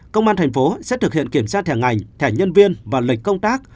công an thành phố sẽ thực hiện kiểm tra thẻ ngành thẻ nhân viên và lịch công tác